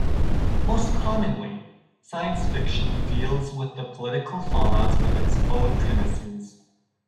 Most commonly, science fiction deals with the political fallout of its own premises.